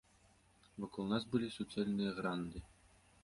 Вакол нас былі суцэльныя гранды.